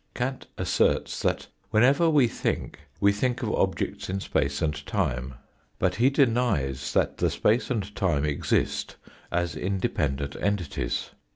Kant asserts that whenever we think we think of objects in space and time, but he denies that the space and time exist as independent entities.